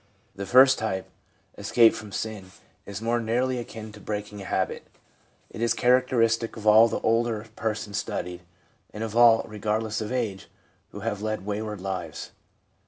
The first type, escape from sin, is more nearly akin to breaking a habit. It is characteristic of all the older persons studied, and of all, regardless of age, who have led wayward lives.